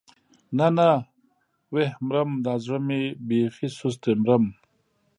نه نه ويح مرم دا زړه مې بېخي سست دی مرم.